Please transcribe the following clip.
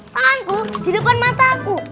tanganku di depan mata aku